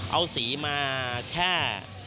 เอาสีมาแค่